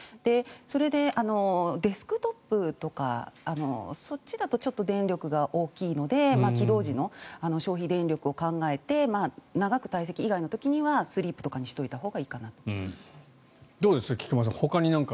それでデスクトップとかそっちだとちょっと電力が大きいので起動時の消費電力を考えて長く退席する以外はスリープとかにしたほうがいいと思います。